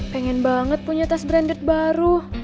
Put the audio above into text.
pengen banget punya tas branded baru